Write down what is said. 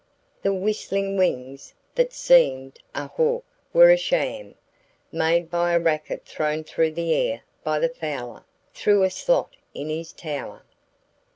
The whistling wings that seemed a hawk were a sham, made by a racquet thrown through the air by the fowler, through a slot in his tower.